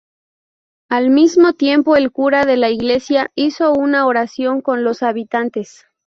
Al mismo tiempo el cura de la iglesia hizo una oración con los habitantes.